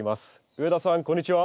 上田さんこんにちは。